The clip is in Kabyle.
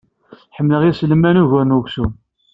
Ḥemmleɣ iselman ugar n uksum.